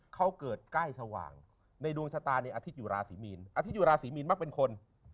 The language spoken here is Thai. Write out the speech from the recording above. เขาเกิดใกล้สว่างในดวงชะตาเนี่ยอาทิตย์อยู่ราศีมีนอาทิตอยู่ราศีมีนมักเป็นคน